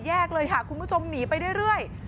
เลยค่ะคุณผู้ชมหนีไปเรื่อย